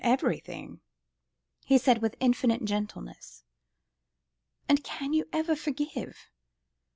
everything," he said with infinite gentleness. "And can you ever forgive?"